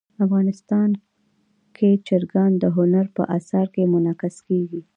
افغانستان کې چرګان د هنر په اثار کې منعکس کېږي.